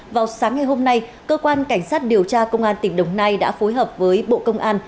vào sáng ngày hôm nay cơ quan cảnh sát điều tra công an tỉnh đồng nai đã phối hợp với bộ công an